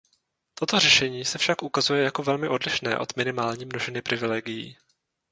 Toto řešení se však ukazuje jako velmi odlišné od minimální množiny privilegií.